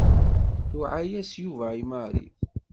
Iluɛa-yas Yuba i Mary.